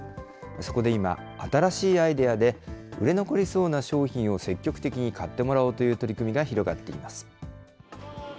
そこで今、新しいアイデアで、売れ残りそうな商品を積極的に買ってもらおうという取り組みが広がっています。